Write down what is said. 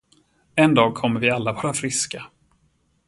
En dag kommer vi alla vara friska.